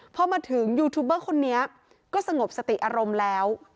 พอมาถึงยูทูบเบอร์คนนี้ก็สงบสติอารมณ์แล้ว